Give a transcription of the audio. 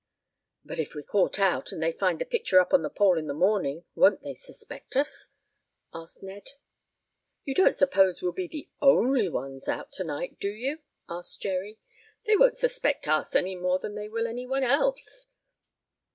"But if we're caught out, and they find the picture up on the pole in the morning, won't they suspect us?" asked Ned. "You don't suppose we'll be the only ones out to night; do you?" asked Jerry. "They won't suspect us any more than they will any one else."